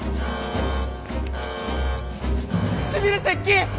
唇接近！